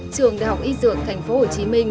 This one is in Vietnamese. trường đại học y dược thành phố hồ chí minh